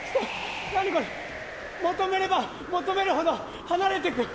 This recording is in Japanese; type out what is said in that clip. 何これ求めれば求めるほど離れてく。